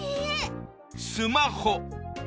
スマホ。